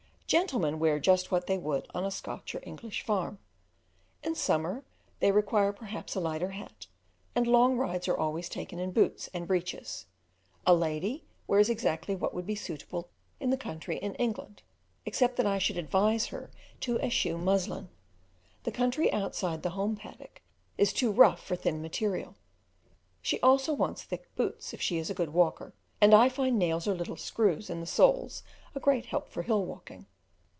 Gentlemen wear just what they would on a Scotch or English farm; in summer they require perhaps a lighter hat, and long rides are always taken in boots and breeches. A lady wears exactly what would be suitable in the country in England, except that I should advise her to eschew muslin; the country outside the home paddock is too rough for thin material; she also wants thick boots if she is a good walker, and I find nails or little screws in the soles a great help for hill walking.